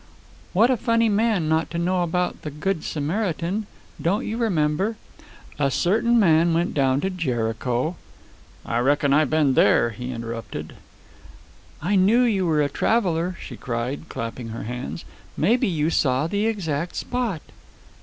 "What a funny man not to know about the good Samaritan. Don't you remember? A certain man went down to Jericho " "I reckon I've been there," he interrupted. "I knew you were a traveler!" she cried, clapping her hands. "Maybe you saw the exact spot."